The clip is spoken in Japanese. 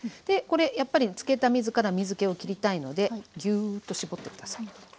でこれやっぱりつけた水から水けを切りたいのでぎゅっと絞って下さい。